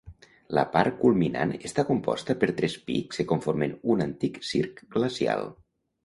La part culminant està composta per tres pics que conformen un antic circ glacial.